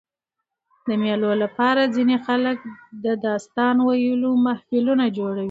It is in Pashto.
د مېلو له پاره ځيني خلک د داستان ویلو محفلونه جوړوي.